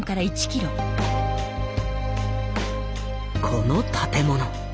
この建物。